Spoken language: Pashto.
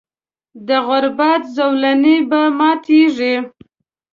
د غربت زولنې به ماتیږي.